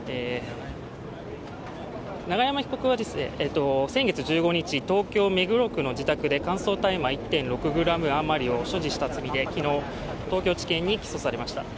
永山被告は先月１５日東京・目黒区の自宅で乾燥大麻１．６ｇ余りを所持した罪で昨日、東京地検に起訴されました。